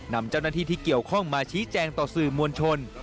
นำเจ้าหน้าที่ที่เกี่ยวข้องมาชี้แจงต่อสื่อมวลชน